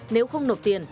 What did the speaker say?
nếu không nộp tiền